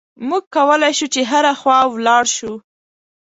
موږ کولای شو چې هره خوا ولاړ شو.